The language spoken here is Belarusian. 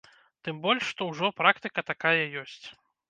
Тым больш, што ўжо практыка такая ёсць.